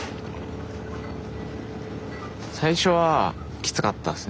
最初はきつかったっすね。